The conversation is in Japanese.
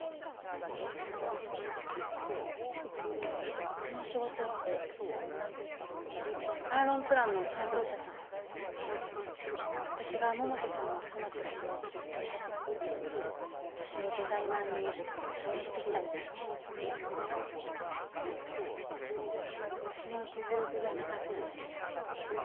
何この仕事うんアーロンプランの担当者さん私が百瀬さんの妻ってことを聞いて私をデザイナーに指名してきたみたいで私の実力じゃなかったんですね